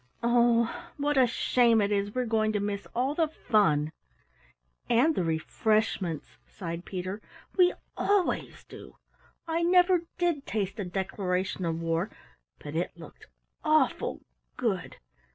Oh, what a shame it is we are going to miss all the fun!" "And the refreshments," sighed Peter. "We always do! I never did taste a declarashun of war, but it looked awful good.